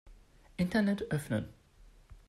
Internet öffnen.